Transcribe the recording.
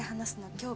今日。